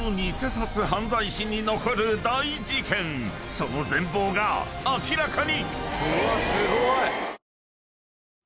［その全貌が明らかに！］